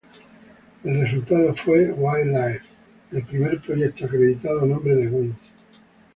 El resultado fue "Wild Life", el primer proyecto acreditado a nombre de "Wings".